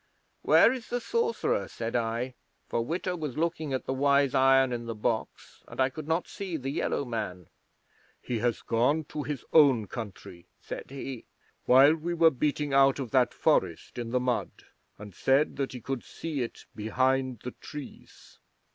'"Where is the Sorcerer?" said I, for Witta was looking at the Wise Iron in the box, and I could not see the Yellow Man. '"He has gone to his own country," said he. "He rose up in the night while we were beating out of that forest in the mud, and said that he could see it behind the trees.